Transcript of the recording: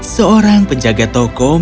seorang penjaga toko menangis